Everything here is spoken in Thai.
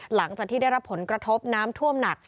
หลังจากที่ได้รับผลกระทบน้ำท่วมหนัก